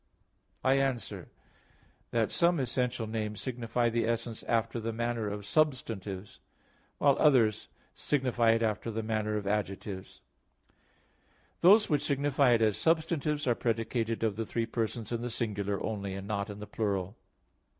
I answer that, Some essential names signify the essence after the manner of substantives; while others signify it after the manner of adjectives. Those which signify it as substantives are predicated of the three persons in the singular only, and not in the plural.